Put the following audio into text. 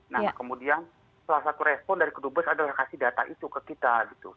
nah kemudian salah satu respon dari kedubes adalah kasih data itu ke kita gitu